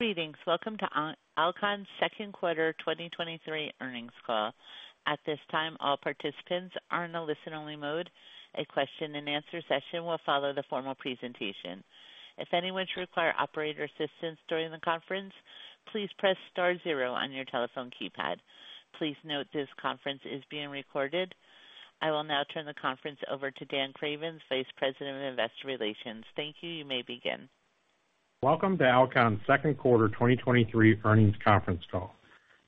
Greetings. Welcome to Alcon's Second Quarter 2023 Earnings Call. At this time, all participants are in a listen-only mode. A question-and-answer session will follow the formal presentation. If anyone should require operator assistance during the conference, please press star zero on your telephone keypad. Please note this conference is being recorded. I will now turn the conference over to Dan Cravens, Vice President of Investor Relations. Thank you. You may begin. Welcome to Alcon's Second Quarter 2023 Earnings Conference Call.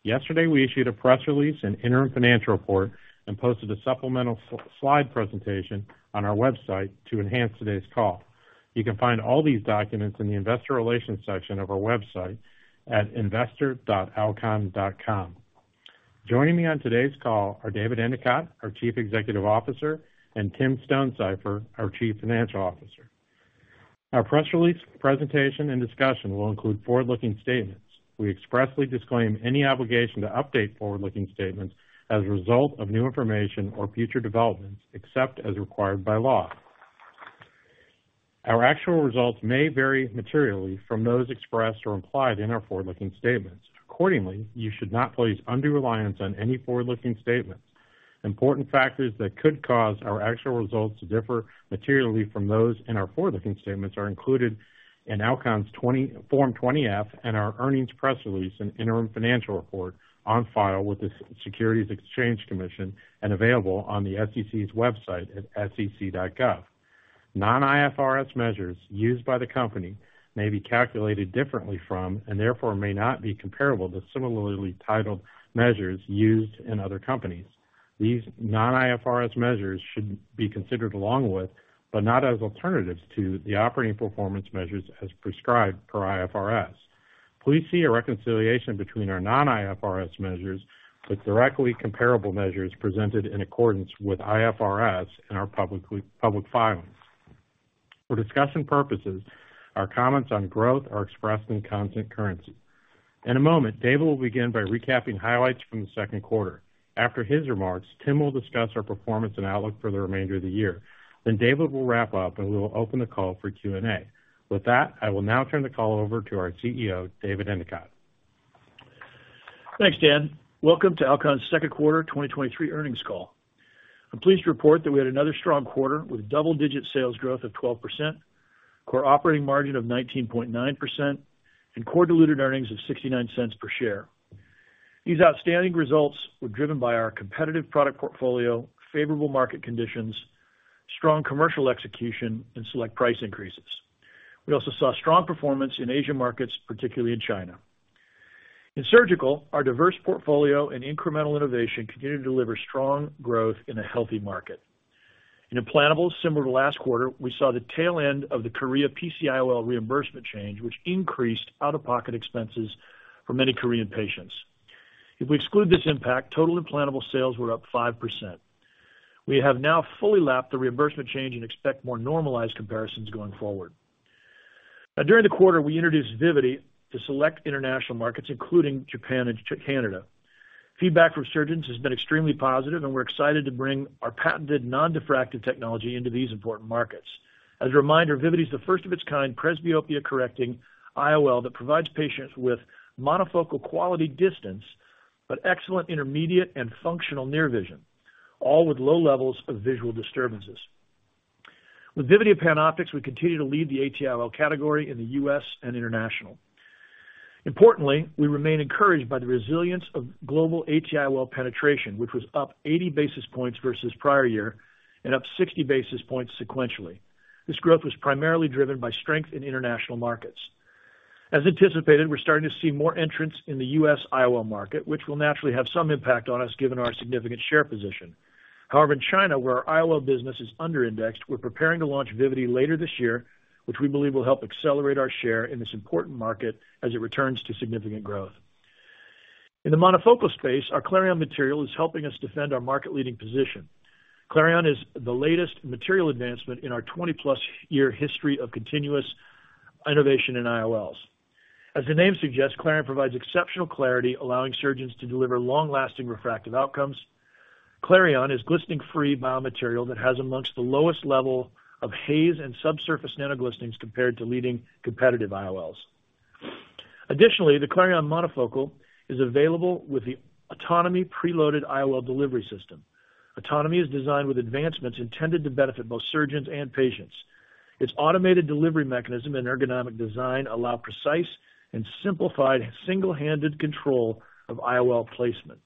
Yesterday, we issued a press release and interim financial report and posted a supplemental slide presentation on our website to enhance today's call. You can find all these documents in the Investor Relations section of our website at investor.alcon.com. Joining me on today's call are David Endicott, our Chief Executive Officer, and Tim Stonesifer, our Chief Financial Officer. Our press release, presentation, and discussion will include forward-looking statements. We expressly disclaim any obligation to update forward-looking statements as a result of new information or future developments, except as required by law. Our actual results may vary materially from those expressed or implied in our forward-looking statements. Accordingly, you should not place undue reliance on any forward-looking statements. Important factors that could cause our actual results to differ materially from those in our forward-looking statements are included in Alcon's Form 20-F and our earnings press release and interim financial report on file with the Securities and Exchange Commission and available on the SEC's website at sec.gov. Non-IFRS measures used by the company may be calculated differently from, and therefore may not be comparable to, similarly titled measures used in other companies. These non-IFRS measures should be considered along with, but not as alternatives to, the operating performance measures as prescribed per IFRS. Please see a reconciliation between our non-IFRS measures with directly comparable measures presented in accordance with IFRS in our public filings. For discussion purposes, our comments on growth are expressed in constant currency. In a moment, David will begin by recapping highlights from the second quarter. After his remarks, Tim will discuss our performance and outlook for the remainder of the year. David will wrap up, and we will open the call for Q&A. With that, I will now turn the call over to our CEO, David Endicott. Thanks, Dan. Welcome to Alcon's Second Quarter 2023 Earnings Call. I'm pleased to report that we had another strong quarter with double-digit sales growth of 12%, core operating margin of 19.9%, and core diluted earnings of $0.69 per share. These outstanding results were driven by our competitive product portfolio, favorable market conditions, strong commercial execution, and select price increases. We also saw strong performance in Asian markets, particularly in China. In surgical, our diverse portfolio and incremental innovation continued to deliver strong growth in a healthy market. In implantable, similar to last quarter, we saw the tail end of the Korea PC-IOL reimbursement change, which increased out-of-pocket expenses for many Korean patients. If we exclude this impact, total implantable sales were up 5%. We have now fully lapped the reimbursement change and expect more normalized comparisons going forward. During the quarter, we introduced Vivity to select international markets, including Japan and Canada. Feedback from surgeons has been extremely positive, and we're excited to bring our patented non-diffractive technology into these important markets. As a reminder, Vivity is the first of its kind presbyopia-correcting IOL that provides patients with monofocal quality distance, but excellent intermediate and functional near vision, all with low levels of visual disturbances. With Vivity and PanOptix, we continue to lead the ATIOL category in the U.S. and international. Importantly, we remain encouraged by the resilience of global ATIOL penetration, which was up 80 basis points versus prior year and up 60 basis points sequentially. This growth was primarily driven by strength in international markets. As anticipated, we're starting to see more entrants in the U.S. IOL market, which will naturally have some impact on us, given our significant share position. However, in China, where our IOL business is underindexed, we're preparing to launch Vivity later this year, which we believe will help accelerate our share in this important market as it returns to significant growth. In the monofocal space, our Clareon material is helping us defend our market-leading position. Clareon is the latest material advancement in our 20+ year history of continuous innovation in IOLs. As the name suggests, Clareon provides exceptional clarity, allowing surgeons to deliver long-lasting refractive outcomes. Clareon is glistening free biomaterial that has amongst the lowest level of haze and subsurface nanoglistenings compared to leading competitive IOLs. Additionally, the Clareon monofocal is available with the AutonoMe preloaded IOL delivery system. AutonoMe is designed with advancements intended to benefit both surgeons and patients. Its automated delivery mechanism and ergonomic design allow precise and simplified single-handed control of IOL placement.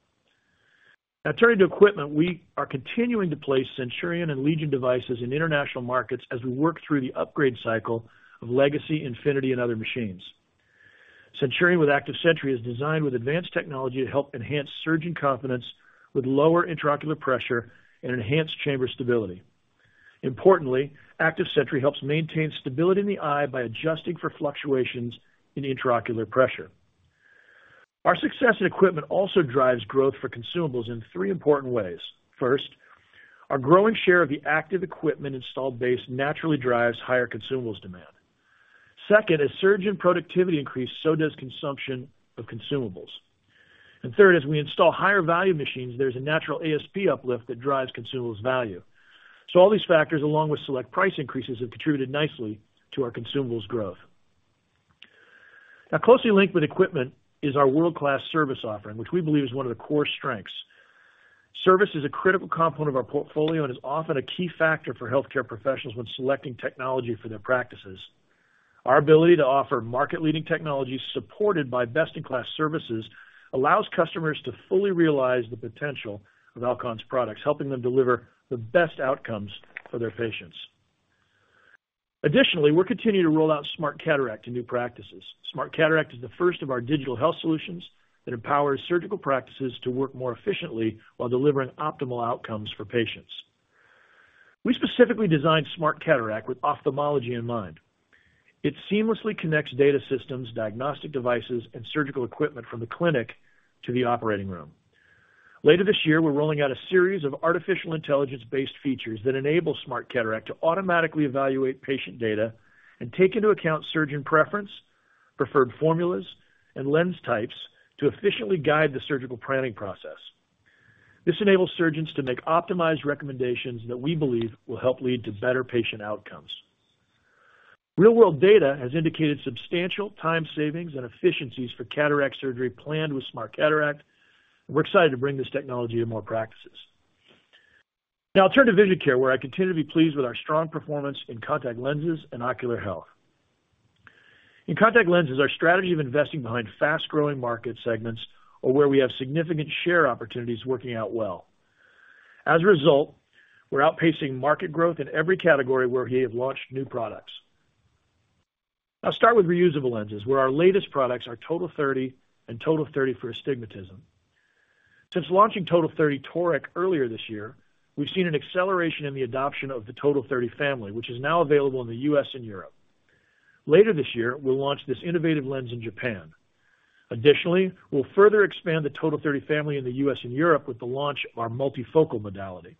Now, turning to equipment, we are continuing to place CENTURION and LEGION devices in international markets as we work through the upgrade cycle of Legacy, Infiniti and other machines. CENTURION with Active Sentry is designed with advanced technology to help enhance surgeon confidence with lower intraocular pressure and enhanced chamber stability. Importantly, Active Sentry helps maintain stability in the eye by adjusting for fluctuations in intraocular pressure. Our success in equipment also drives growth for consumables in three important ways. First, our growing share of the active equipment installed base naturally drives higher consumables demand. Second, as surgeon productivity increases, so does consumption of consumables. Third, as we install higher value machines, there's a natural ASP uplift that drives consumables value. All these factors, along with select price increases, have contributed nicely to our consumables growth. Closely linked with equipment is our world-class service offering, which we believe is one of the core strengths. Service is a critical component of our portfolio and is often a key factor for healthcare professionals when selecting technology for their practices. Our ability to offer market-leading technologies, supported by best-in-class services, allows customers to fully realize the potential of Alcon's products, helping them deliver the best outcomes for their patients. Additionally, we're continuing to roll out SMARTCataract to new practices. SMARTCataract is the first of our digital health solutions that empowers surgical practices to work more efficiently while delivering optimal outcomes for patients. We specifically designed SMARTCataract with ophthalmology in mind. It seamlessly connects data systems, diagnostic devices, and surgical equipment from the clinic to the operating room. Later this year, we're rolling out a series of artificial intelligence-based features that enable SMARTCataract to automatically evaluate patient data and take into account surgeon preference, preferred formulas, and lens types to efficiently guide the surgical planning process. This enables surgeons to make optimized recommendations that we believe will help lead to better patient outcomes. Real-world data has indicated substantial time savings and efficiencies for cataract surgery planned with SMARTCataract. We're excited to bring this technology to more practices. Now turning to Vision Care, where I continue to be pleased with our strong performance in contact lenses and ocular health. In contact lenses, our strategy of investing behind fast-growing market segments or where we have significant share opportunities is working out well. As a result, we're outpacing market growth in every category where we have launched new products. I'll start with reusable lenses, where our latest products are TOTAL30 and TOTAL30 for Astigmatism. Since launching TOTAL30 toric earlier this year, we've seen an acceleration in the adoption of the TOTAL30 family, which is now available in the U.S. and Europe. Later this year, we'll launch this innovative lens in Japan. Additionally, we'll further expand the TOTAL30 family in the U.S. and Europe with the launch of our multifocal modality.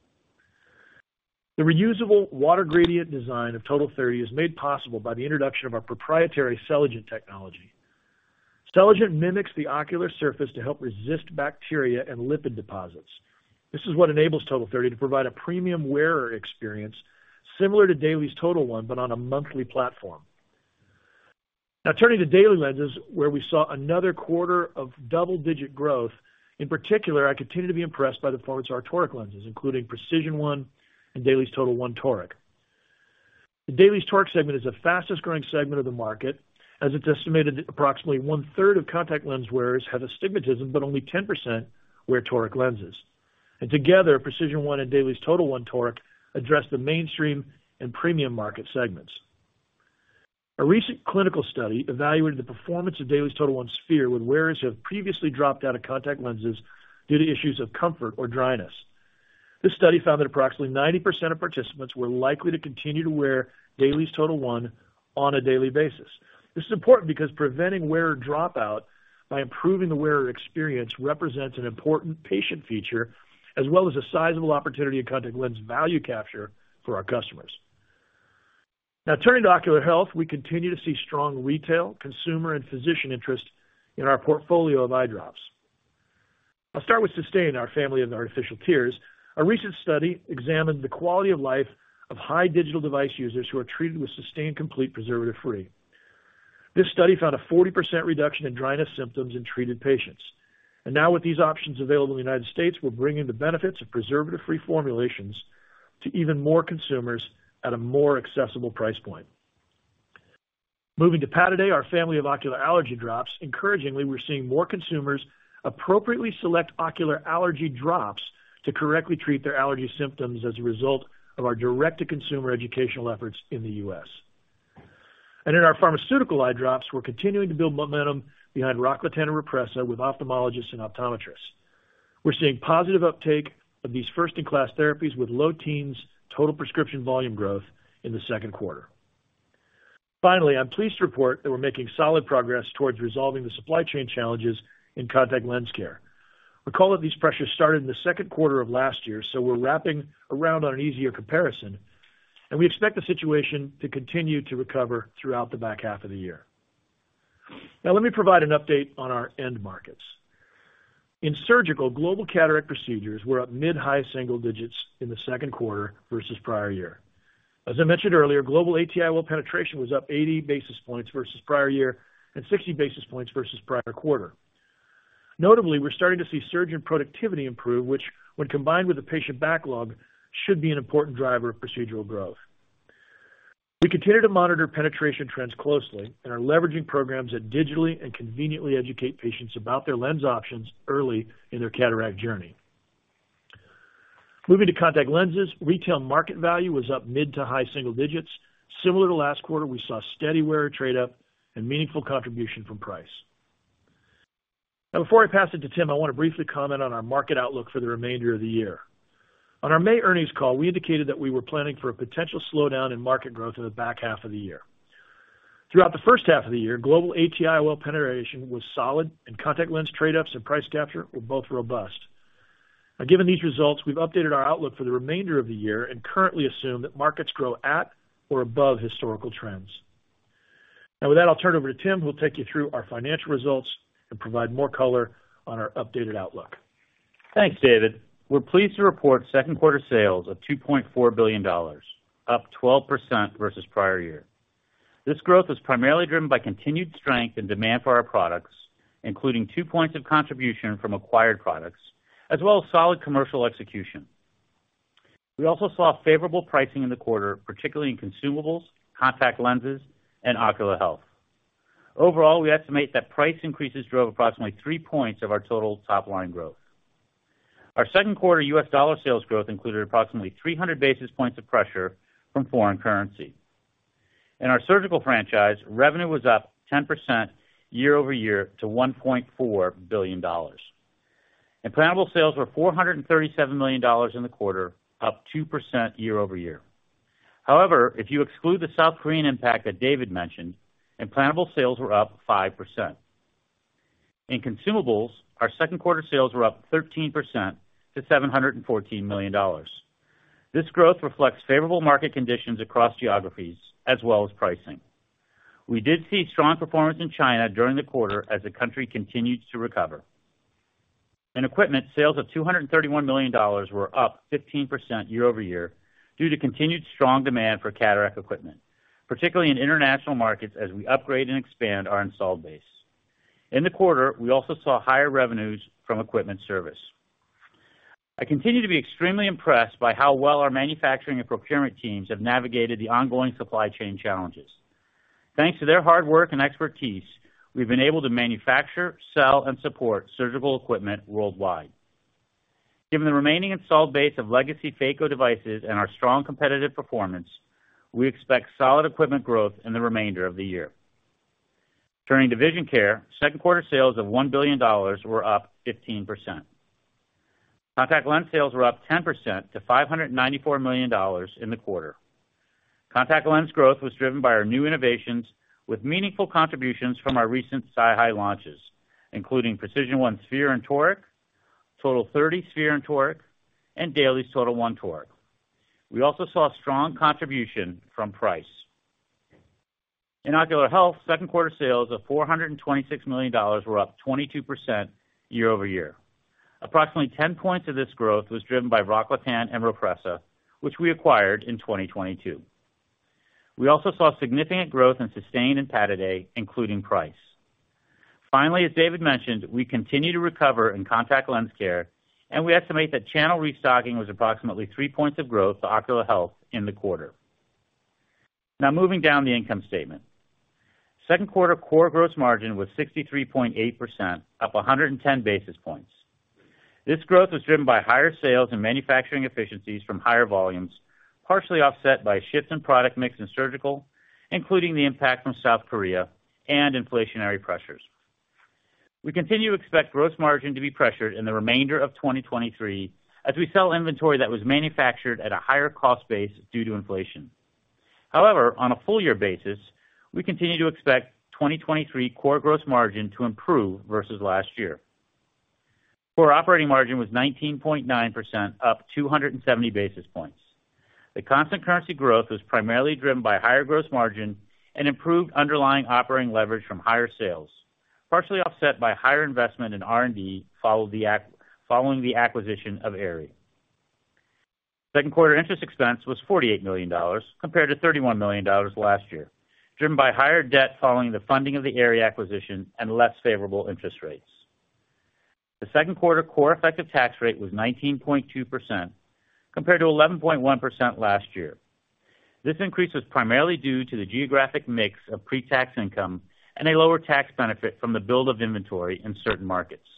The reusable water gradient design of TOTAL30 is made possible by the introduction of our proprietary Celligent technology. Celligent mimics the ocular surface to help resist bacteria and lipid deposits. This is what enables TOTAL30 to provide a premium wearer experience similar to DAILIES TOTAL1, but on a monthly platform. Turning to daily lenses, where we saw another quarter of double-digit growth. In particular, I continue to be impressed by the performance of our toric lenses, including PRECISION1 and DAILIES TOTAL1 toric. The DAILIES toric segment is the fastest-growing segment of the market, as it's estimated that approximately one-third of contact lens wearers have astigmatism, but only 10% wear toric lenses. Together, PRECISION1 and DAILIES TOTAL1 toric address the mainstream and premium market segments. A recent clinical study evaluated the performance of DAILIES TOTAL1 Sphere when wearers have previously dropped out of contact lenses due to issues of comfort or dryness. This study found that approximately 90% of participants were likely to continue to wear DAILIES TOTAL1 on a daily basis. This is important because preventing wearer dropout by improving the wearer experience represents an important patient feature, as well as a sizable opportunity in contact lens value capture for our customers. Now, turning to ocular health, we continue to see strong retail, consumer, and physician interest in our portfolio of eye drops. I'll start with SYSTANE, our family of artificial tears. A recent study examined the quality of life of high digital device users who are treated with SYSTANE Complete Preservative-Free. This study found a 40% reduction in dryness symptoms in treated patients. Now, with these options available in the United States, we're bringing the benefits of preservative-free formulations to even more consumers at a more accessible price point. Moving to Pataday, our family of ocular allergy drops, encouragingly, we're seeing more consumers appropriately select ocular allergy drops to correctly treat their allergy symptoms as a result of our direct-to-consumer educational efforts in the U.S.. In our pharmaceutical eye drops, we're continuing to build momentum behind ROCKLATAN and Rhopressa with ophthalmologists and optometrists. We're seeing positive uptake of these first-in-class therapies with low teens total prescription volume growth in the second quarter. Finally, I'm pleased to report that we're making solid progress towards resolving the supply chain challenges in contact lens care. Recall that these pressures started in the second quarter of last year, so we're wrapping around on an easier comparison, and we expect the situation to continue to recover throughout the back half of the year. Now, let me provide an update on our end markets. In surgical, global cataract procedures were up mid-high single digits in the second quarter versus prior year. As I mentioned earlier, global ATIOL penetration was up 80 basis points versus prior year and 60 basis points versus prior quarter. Notably, we're starting to see surgeon productivity improve, which, when combined with the patient backlog, should be an important driver of procedural growth. We continue to monitor penetration trends closely and are leveraging programs that digitally and conveniently educate patients about their lens options early in their cataract journey. Moving to contact lenses, retail market value was up mid to high single digits. Similar to last quarter, we saw steady wearer trade up and meaningful contribution from price. Now, before I pass it to Tim, I want to briefly comment on our market outlook for the remainder of the year. On our May earnings call, we indicated that we were planning for a potential slowdown in market growth in the back half of the year. Throughout the first half of the year, global ATIOL penetration was solid, and contact lens trade ups and price capture were both robust. Now, given these results, we've updated our outlook for the remainder of the year and currently assume that markets grow at or above historical trends With that, I'll turn it over to Tim, who will take you through our financial results and provide more color on our updated outlook. Thanks, David. We're pleased to report second quarter sales of $2.4 billion, up 12% versus prior year. This growth was primarily driven by continued strength and demand for our products, including two points of contribution from acquired products, as well as solid commercial execution. We also saw favorable pricing in the quarter, particularly in consumables, contact lenses, and ocular health. Overall, we estimate that price increases drove approximately three points of our total top line growth. Our second quarter U.S. dollar sales growth included approximately 300 basis points of pressure from foreign currency. In our surgical franchise, revenue was up 10% year-over-year to $1.4 billion. Implantable sales were $437 million in the quarter, up 2% year-over-year. If you exclude the South Korean impact that David mentioned, implantable sales were up 5%. In consumables, our second quarter sales were up 13% to $714 million. This growth reflects favorable market conditions across geographies as well as pricing. We did see strong performance in China during the quarter as the country continued to recover. In equipment, sales of $231 million were up 15% year-over-year due to continued strong demand for cataract equipment, particularly in international markets, as we upgrade and expand our installed base. In the quarter, we also saw higher revenues from equipment service. I continue to be extremely impressed by how well our manufacturing and procurement teams have navigated the ongoing supply chain challenges. Thanks to their hard work and expertise, we've been able to manufacture, sell, and support surgical equipment worldwide. Given the remaining installed base of Legacy phaco devices and our strong competitive performance, we expect solid equipment growth in the remainder of the year. Turning to Vision Care, second quarter sales of $1 billion were up 15%. Contact lens sales were up 10% to $594 million in the quarter. Contact lens growth was driven by our new innovations, with meaningful contributions from our recent SiHy launches, including PRECISION1 Sphere and toric, TOTAL30 Sphere and toric, and DAILIES TOTAL1 toric. We also saw strong contribution from price. In ocular health, second quarter sales of $426 million were up 22% year-over-year. Approximately 10 points of this growth was driven by ROCKLATAN and Rhopressa, which we acquired in 2022. We also saw significant growth in SYSTANE and Pataday, including price. Finally, as David mentioned, we continue to recover in contact lens care, we estimate that channel restocking was approximately three points of growth to ocular health in the quarter. Now, moving down the income statement. Second quarter core gross margin was 63.8%, up 110 basis points. This growth was driven by higher sales and manufacturing efficiencies from higher volumes, partially offset by shifts in product mix in surgical, including the impact from South Korea and inflationary pressures. We continue to expect gross margin to be pressured in the remainder of 2023 as we sell inventory that was manufactured at a higher cost base due to inflation. However, on a full year basis, we continue to expect 2023 core gross margin to improve versus last year. Core operating margin was 19.9%, up 270 basis points. The constant currency growth was primarily driven by higher gross margin and improved underlying operating leverage from higher sales, partially offset by higher investment in R&D, following the acquisition of Aerie. Second quarter interest expense was $48 million, compared to $31 million last year, driven by higher debt following the funding of the Aerie acquisition and less favorable interest rates. The second quarter core effective tax rate was 19.2%, compared to 11.1% last year. This increase was primarily due to the geographic mix of pre-tax income and a lower tax benefit from the build of inventory in certain markets.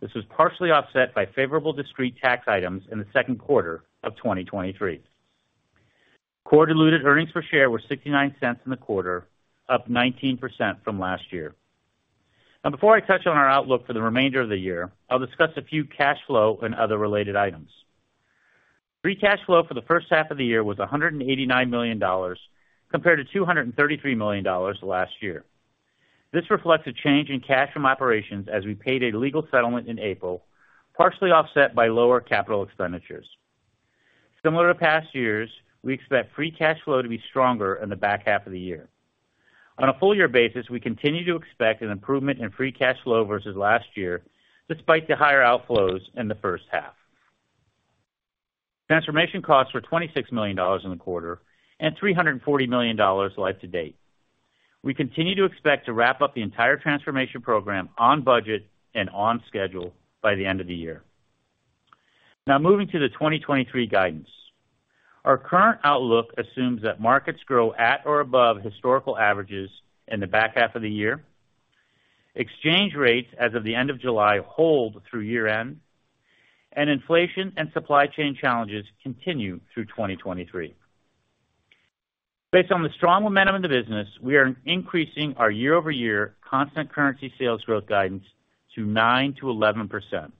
This was partially offset by favorable discrete tax items in the second quarter of 2023. Core diluted earnings per share were $0.69 in the quarter, up 19% from last year. Before I touch on our outlook for the remainder of the year, I'll discuss a few cash flow and other related items. Free cash flow for the first half of the year was $189 million, compared to $233 million last year. This reflects a change in cash from operations as we paid a legal settlement in April, partially offset by lower capital expenditures. Similar to past years, we expect free cash flow to be stronger in the back half of the year. On a full year basis, we continue to expect an improvement in free cash flow versus last year, despite the higher outflows in the first half. Transformation costs were $26 million in the quarter and $340 million year to date. We continue to expect to wrap up the entire transformation program on budget and on schedule by the end of the year. Now, moving to the 2023 guidance. Our current outlook assumes that markets grow at or above historical averages in the back half of the year, exchange rates as of the end of July hold through year-end, and inflation and supply chain challenges continue through 2023. Based on the strong momentum in the business, we are increasing our year-over-year constant currency sales growth guidance to 9%-11%.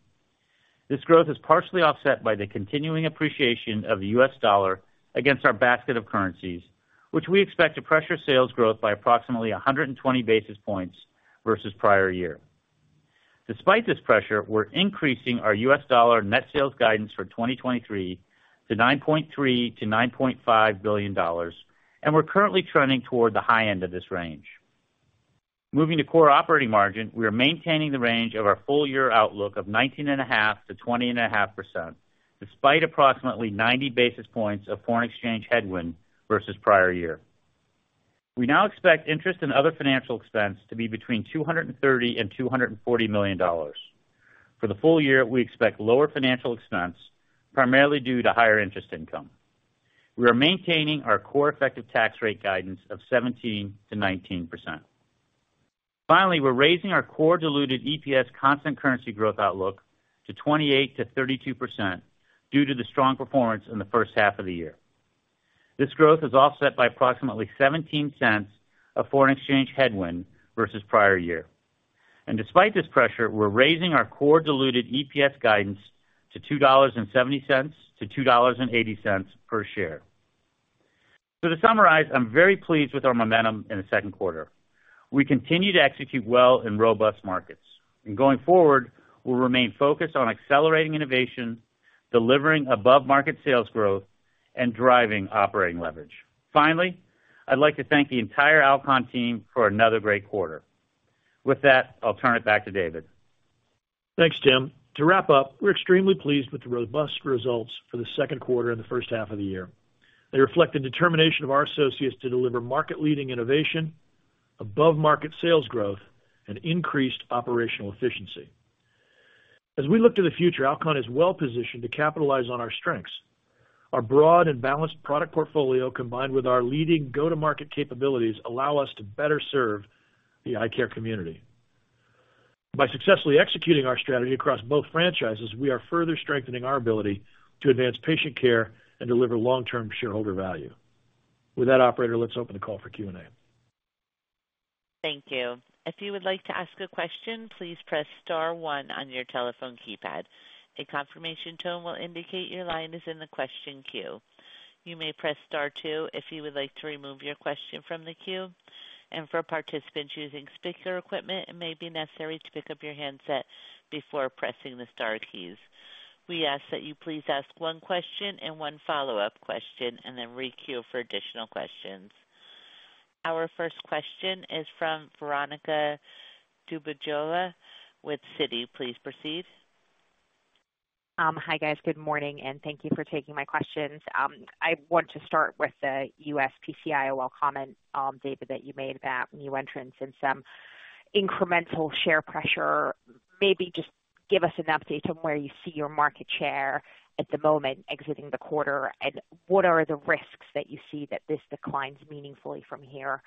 This growth is partially offset by the continuing appreciation of the U.S. dollar against our basket of currencies, which we expect to pressure sales growth by approximately 120 basis points versus prior year. Despite this pressure, we're increasing our U.S. dollar net sales guidance for 2023 to $9.3 billion-$9.5 billion, and we're currently trending toward the high end of this range. Moving to core operating margin, we are maintaining the range of our full year outlook of 19.5%-20.5%, despite approximately 90 basis points of foreign exchange headwind versus prior year. We now expect interest in other financial expense to be between $230 million and $240 million. For the full year, we expect lower financial expense, primarily due to higher interest income. We are maintaining our core effective tax rate guidance of 17%-19%. Finally, we're raising our core diluted EPS constant currency growth outlook to 28%-32% due to the strong performance in the first half of the year. This growth is offset by approximately $0.17 of foreign exchange headwind versus prior year. Despite this pressure, we're raising our core diluted EPS guidance to $2.70-$2.80 per share. To summarize, I'm very pleased with our momentum in the second quarter. We continue to execute well in robust markets. Going forward, we'll remain focused on accelerating innovation, delivering above-market sales growth, and driving operating leverage. Finally, I'd like to thank the entire Alcon team for another great quarter. With that, I'll turn it back to David. Thanks, Tim. To wrap up, we're extremely pleased with the robust results for the second quarter and the first half of the year. They reflect the determination of our associates to deliver market-leading innovation, above-market sales growth, and increased operational efficiency. As we look to the future, Alcon is well-positioned to capitalize on our strengths. Our broad and balanced product portfolio, combined with our leading go-to-market capabilities, allow us to better serve the eye care community. By successfully executing our strategy across both franchises, we are further strengthening our ability to advance patient care and deliver long-term shareholder value. With that, operator, let's open the call for Q&A. Thank you. If you would like to ask a question, please press star one on your telephone keypad. A confirmation tone will indicate your line is in the question queue. You may press star two if you would like to remove your question from the queue. For participants using speaker equipment, it may be necessary to pick up your handset before pressing the star keys. We ask that you please ask one question and one follow-up question, and then requeue for additional questions. Our first question is from Veronika Dubajova with Citi. Please proceed. Hi, guys. Good morning, and thank you for taking my questions. I want to start with the U.S. PC-IOL comment, David Endicott, that you made about new entrants and some incremental share pressure. Maybe just give us an update on where you see your market share at the moment exiting the quarter, and what are the risks that you see that this declines meaningfully from here?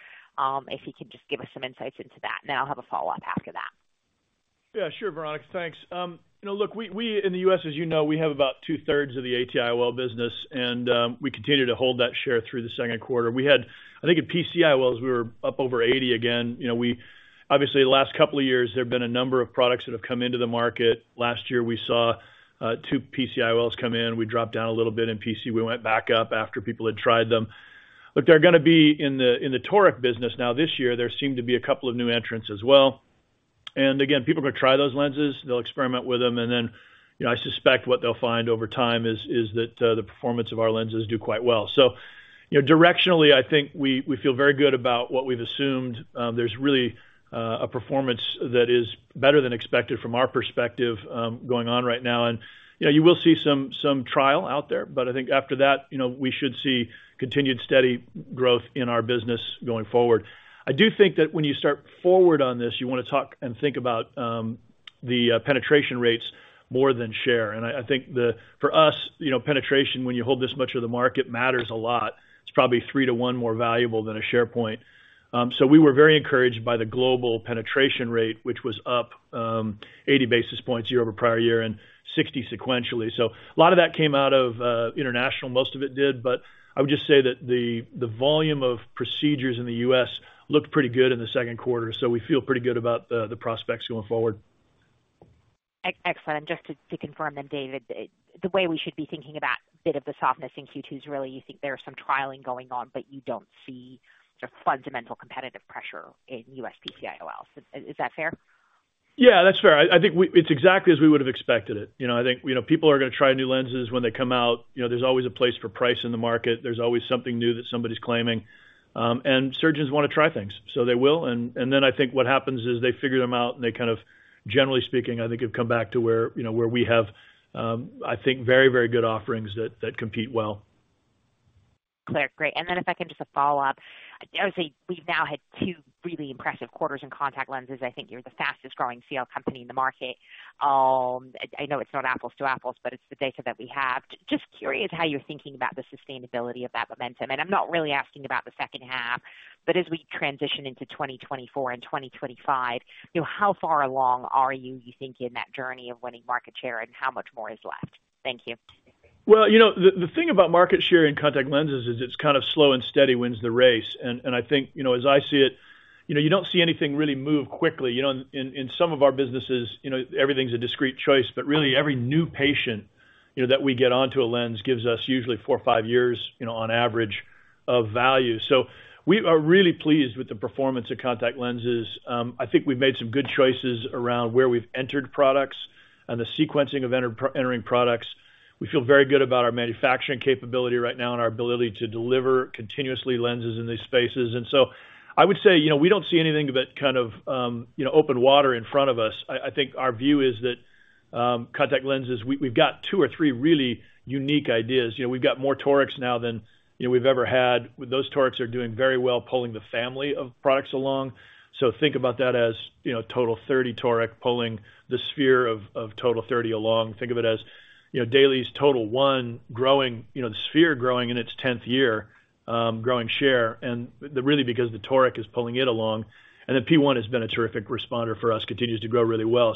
If you can just give us some insights into that, and I'll have a follow-up after that. Sure, Veronika. Thanks. You know, look, we in the U.S., as you know, we have about two-thirds of the ATIOL business, and we continue to hold that share through the second quarter. We had, I think, in PC-IOLs, we were up over 80 again. You know, obviously, the last couple of years, there have been a number of products that have come into the market. Last year, we saw two PC-IOLs come in. We dropped down a little bit in PC. We went back up after people had tried them. Look, they're gonna be in the, in the toric business now. This year, there seem to be a couple of new entrants as well. Again, people are going to try those lenses, they'll experiment with them, and then, you know, I suspect what they'll find over time is, is that, the performance of our lenses do quite well. You know, directionally, I think we, we feel very good about what we've assumed. There's really, a performance that is better than expected from our perspective, going on right now. You know, you will see some, some trial out there, but I think after that, you know, we should see continued steady growth in our business going forward. I do think that when you start forward on this, you want to talk and think about, the, penetration rates more than share. I, I think for us, you know, penetration, when you hold this much of the market, matters a lot. It's probably three to one more valuable than a share point. We were very encouraged by the global penetration rate, which was up, 80 basis points year-over-prior year and 60 sequentially. A lot of that came out of international, most of it did. I would just say that the volume of procedures in the U.S. looked pretty good in the second quarter, so we feel pretty good about the prospects going forward. Excellent. Just to confirm then, David, the way we should be thinking about a bit of the softness in Q2 is really you think there is some trialing going on, but you don't see the fundamental competitive pressure in U.S. PC IOLs. Is that fair? Yeah, that's fair. I, I think it's exactly as we would have expected it. You know, I think, you know, people are going to try new lenses when they come out. You know, there's always a place for price in the market. There's always something new that somebody's claiming, and surgeons want to try things, so they will. Then I think what happens is they figure them out, and they kind of, generally speaking, I think, have come back to where, you know, where we have, I think, very, very good offerings that, that compete well. Clear. Great. Then if I can just a follow-up. I would say we've now had two really impressive quarters in contact lenses. I think you're the fastest growing CL company in the market. I know it's not apples to apples, it's the data that we have. Just curious how you're thinking about the sustainability of that momentum, I'm not really asking about the second half, as we transition into 2024 and 2025, you know, how far along are you, you think, in that journey of winning market share, how much more is left? Thank you. Well, you know, the, the thing about market share in contact lenses is it's kind of slow and steady wins the race. I think, you know, as I see it, you know, you don't see anything really move quickly. You know, in, in some of our businesses, you know, everything's a discrete choice, but really every new patient, you know, that we get onto a lens gives us usually four or five years, you know, on average, of value. We are really pleased with the performance of contact lenses. I think we've made some good choices around where we've entered products and the sequencing of entering products. We feel very good about our manufacturing capability right now and our ability to deliver continuously lenses in these spaces. I would say, you know, we don't see anything but kind of, you know, open water in front of us. I, I think our view is that, contact lenses, we, we've got two or three really unique ideas. You know, we've got more torics now than, you know, we've ever had. Those torics are doing very well, pulling the family of products along. Think about that as, you know, TOTAL30 toric pulling the sphere of, of TOTAL30 along. Think of it as, you know, DAILIES TOTAL1 growing, you know, the sphere growing in its 10th year, growing share, and really because the toric is pulling it along, and then P1 has been a terrific responder for us, continues to grow really well.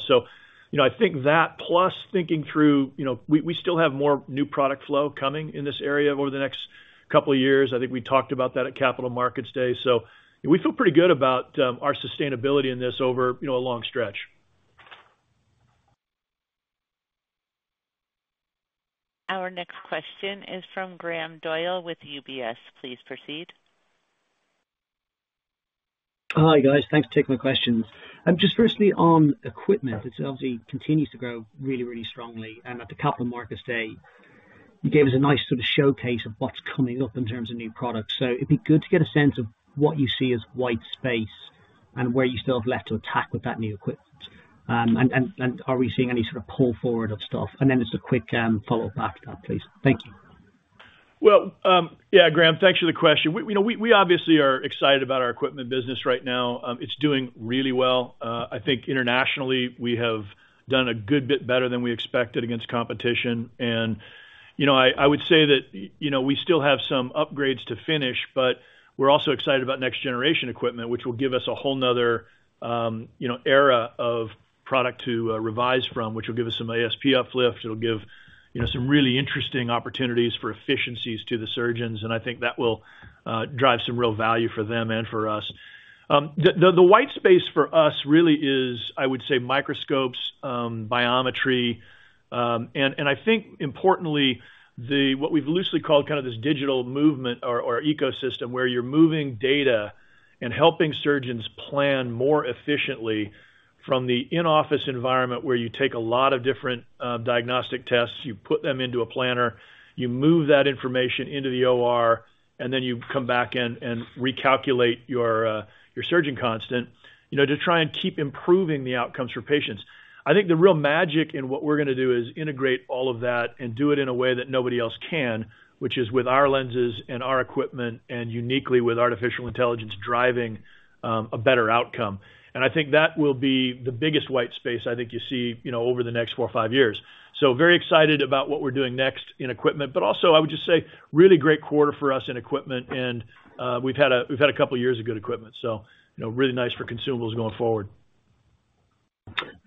You know, I think that plus thinking through, you know, we, we still have more new product flow coming in this area over the next couple of years. I think we talked about that at Capital Markets Day. We feel pretty good about our sustainability in this over, you know, a long stretch. Our next question is from Graham Doyle with UBS. Please proceed. Hi, guys. Thanks for taking my questions. Just firstly, on equipment, it obviously continues to grow really, really strongly, and at the Capital Markets Day, you gave us a nice sort of showcase of what's coming up in terms of new products. It'd be good to get a sense of what you see as white space and where you still have left to attack with that new equipment. Are we seeing any sort of pull forward of stuff? Then just a quick follow-up after that, please. Thank you. Well, yeah, Graham, thanks for the question. We, you know, we, we obviously are excited about our equipment business right now. It's doing really well. I think internationally, we have done a good bit better than we expected against competition. You know, I, I would say that, you know, we still have some upgrades to finish, but we're also excited about next-generation equipment, which will give us a whole another, you know, era of product to revise from, which will give us some ASP uplift. It'll give, you know, some really interesting opportunities for efficiencies to the surgeons, and I think that will drive some real value for them and for us. The, the, the white space for us really is, I would say, microscopes, biometry, and, and I think importantly, what we've loosely called kind of this digital movement or ecosystem, where you're moving data and helping surgeons plan more efficiently from the in-office environment, where you take a lot of different diagnostic tests, you put them into a planner, you move that information into the OR. Then you come back and recalculate your surgeon constant, you know, to try and keep improving the outcomes for patients. I think the real magic in what we're going to do, is integrate all of that and do it in a way that nobody else can, which is with our lenses and our equipment, and uniquely with artificial intelligence, driving a better outcome. I think that will be the biggest white space I think you'll see, you know, over the next four or five years. Very excited about what we're doing next in equipment, but also I would just say, really great quarter for us in equipment, and, we've had a, we've had a couple of years of good equipment, so, you know, really nice for consumables going forward.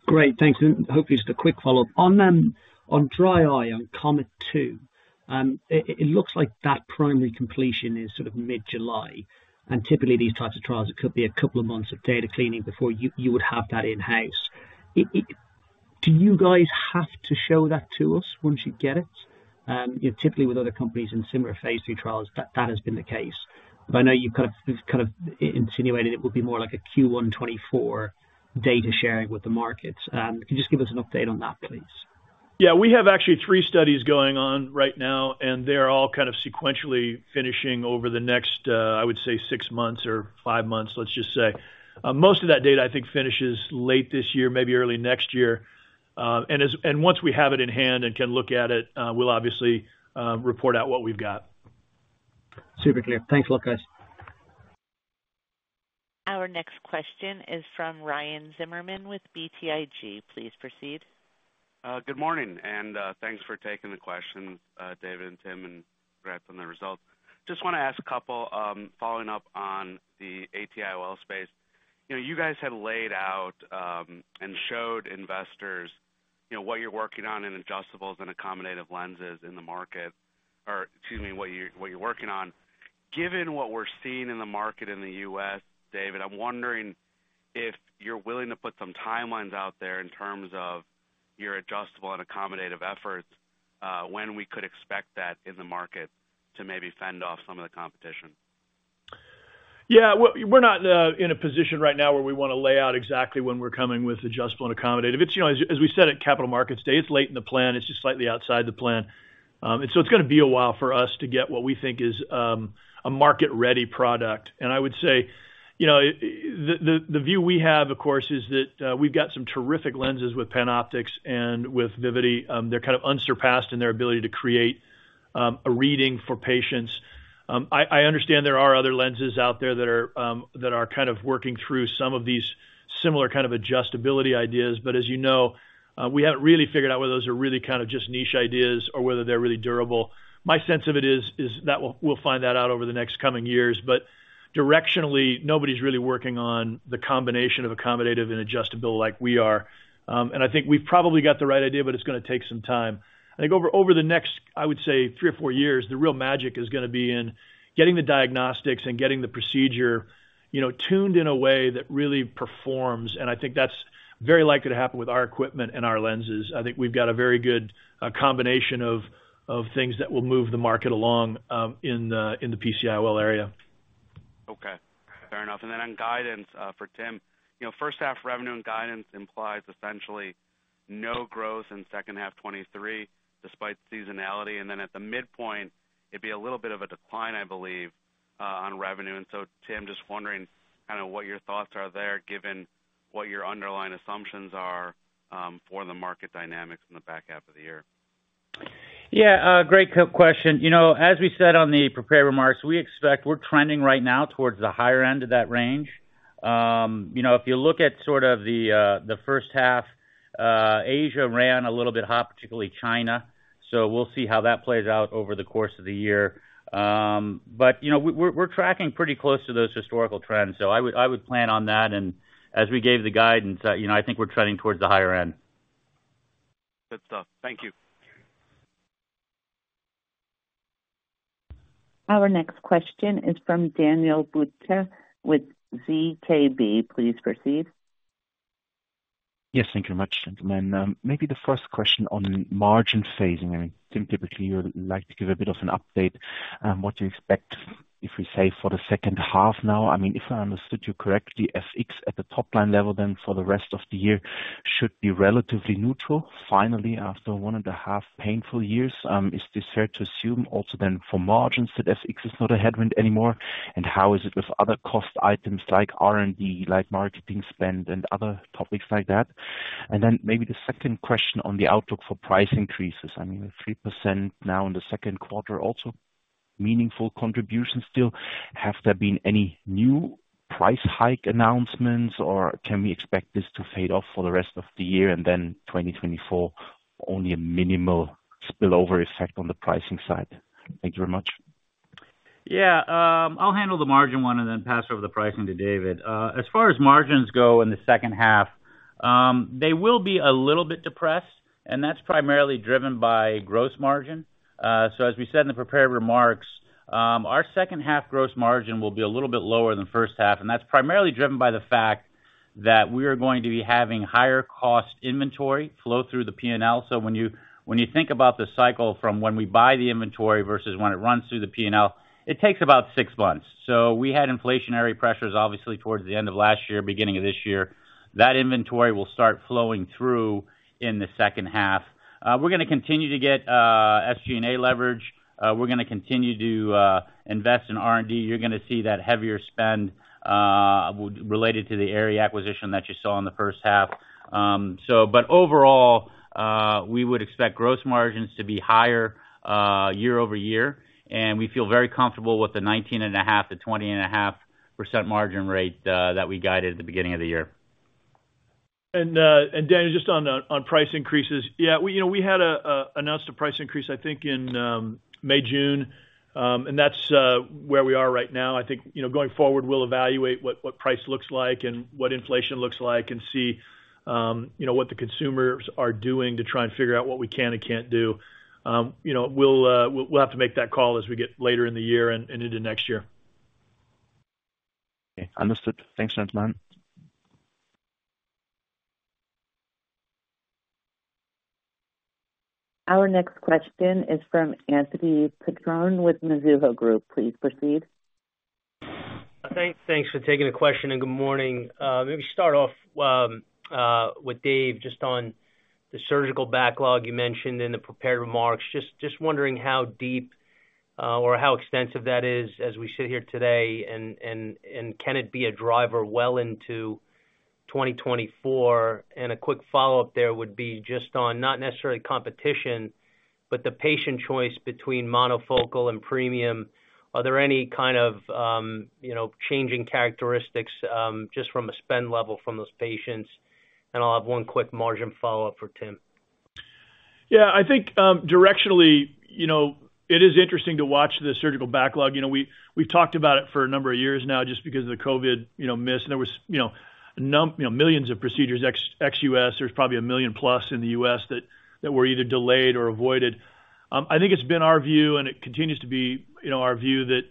Great, thanks. Hopefully, just a quick follow-up. On, on dry eye, on COMET 2, it looks like that primary completion is sort of mid-July, and typically these types of trials, it could be a couple of months of data cleaning before you, you would have that in-house. Do you guys have to show that to us once you get it? You know, typically with other companies in similar phase II trials, that, that has been the case. I know you've kind of, kind of insinuated it would be more like a Q1 2024 data sharing with the markets. Can you just give us an update on that, please? Yeah, we have actually three studies going on right now. They're all kind of sequentially finishing over the next, I would say, six months or five months, let's just say. Most of that data, I think, finishes late this year, maybe early next year. Once we have it in hand and can look at it, we'll obviously report out what we've got. Super clear. Thanks a lot, guys. Our next question is from Ryan Zimmerman with BTIG. Please proceed. Good morning, and thanks for taking the question, David and Tim, and congrats on the results. Just want to ask a couple, following up on the ATIOL space. You know, you guys had laid out, and showed investors, you know, what you're working on in adjustables and accommodative lenses in the market, or excuse me, what you're, what you're working on. Given what we're seeing in the market in the U.S., David, I'm wondering if you're willing to put some timelines out there in terms of your adjustable and accommodative efforts, when we could expect that in the market to maybe fend off some of the competition? Yeah, well, we're not in a position right now where we want to lay out exactly when we're coming with adjustable and accommodative. It's, you know, as we said at Capital Markets Day, it's late in the plan. It's just slightly outside the plan. So it's going to be a while for us to get what we think is a market-ready product. I would say, you know, the view we have, of course, is that we've got some terrific lenses with PanOptix and with Vivity. They're kind of unsurpassed in their ability to create a reading for patients. I understand there are other lenses out there that are working through some of these similar adjustability ideas, but as you know, we haven't really figured out whether those are really just niche ideas or whether they're really durable. My sense of it is that we'll find that out over the next coming years. Directionally, nobody's really working on the combination of accommodative and adjustable like we are. I think we've probably got the right idea, but it's going to take some time. I think over the next, I would say, three or four years, the real magic is going to be in getting the diagnostics and getting the procedure, you know, tuned in a way that really performs, and I think that's very likely to happen with our equipment and our lenses. I think we've got a very good, combination of, of things that will move the market along, in the, in the PC-IOL area. Okay, fair enough. Then on guidance, for Tim, you know, first half revenue and guidance implies essentially no growth in second half 2023, despite seasonality, and then at the midpoint, it'd be a little bit of a decline, I believe, on revenue. So, Tim, just wondering kind of what your thoughts are there, given what your underlying assumptions are, for the market dynamics in the back half of the year? Yeah, great question. You know, as we said on the prepared remarks, we expect we're trending right now towards the higher end of that range. You know, if you look at sort of the first half, Asia ran a little bit hot, particularly China, so we'll see how that plays out over the course of the year. You know, we're, we're tracking pretty close to those historical trends, so I would, I would plan on that. As we gave the guidance, you know, I think we're trending towards the higher end. Good stuff. Thank you. Our next question is from Daniel Jelovcan with ZKB. Please proceed. Yes, thank you much, gentlemen. Maybe the first question on margin phasing, I mean, Tim, typically, you would like to give a bit of an update on what you expect if we say, for the second half now. I mean, if I understood you correctly, FX at the top line level, then for the rest of the year should be relatively neutral, finally, after 1.5 painful years. Is this fair to assume also then for margins, that FX is not a headwind anymore? How is it with other cost items like R&D, like marketing spend, and other topics like that? Then maybe the second question on the outlook for price increases, I mean, the 3% now in the 2Q, also meaningful contributions still. Have there been any new price hike announcements, or can we expect this to fade off for the rest of the year, and then 2024, only a minimal spillover effect on the pricing side? Thank you very much. Yeah, I'll handle the margin one and then pass over the pricing to David. As far as margins go in the second half, they will be a little bit depressed, and that's primarily driven by gross margin. As we said in the prepared remarks, our second half gross margin will be a little bit lower than the first half, and that's primarily driven by the fact that we are going to be having higher cost inventory flow through the P&L. When you think about the cycle from when we buy the inventory versus when it runs through the P&L, it takes about six months. We had inflationary pressures, obviously, towards the end of last year, beginning of this year. That inventory will start flowing through in the second half. We're going to continue to get SG&A leverage. We're going to continue to invest in R&D. You're going to see that heavier spend related to the Aerie acquisition that you saw in the first half. Overall, we would expect gross margins to be higher year-over-year, and we feel very comfortable with the 19.5%-20.5% margin rate that we guided at the beginning of the year. Dan, just on the, on price increases. Yeah, we, you know, we had announced a price increase, I think, in May, June, and that's where we are right now. I think, you know, going forward, we'll evaluate what, what price looks like and what inflation looks like and see, you know, what the consumers are doing to try and figure out what we can and can't do. You know, we'll we'll have to make that call as we get later in the year and, and into next year. Okay, understood. Thanks, gentlemen. Our next question is from Anthony Petrone with Mizuho Group. Please proceed. Thanks for taking the question, and good morning. Maybe start off with Dave, just on the surgical backlog you mentioned in the prepared remarks. Just wondering how deep or how extensive that is as we sit here today, and can it be a driver well into 2024? A quick follow-up there would be just on, not necessarily competition, but the patient choice between monofocal and premium. Are there any kind of, you know, changing characteristics, just from a spend level from those patients? I'll have one quick margin follow-up for Tim. Yeah, I think, directionally, you know, it is interesting to watch the surgical backlog. You know, we talked about it for a number of years now, just because of the COVID, you know, miss. There was, you know, millions of procedures ex-U.S., there's probably 1 million plus in the U.S., that, that were either delayed or avoided. I think it's been our view, and it continues to be, you know, our view that,